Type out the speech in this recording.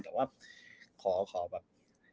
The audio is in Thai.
แต่ว่าขอแบบ